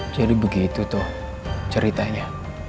jadi begitu tuh ceritanya